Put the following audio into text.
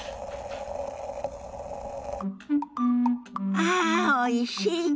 ああおいし。